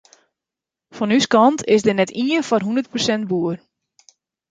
Fan ús kant is der net ien foar hûndert persint boer.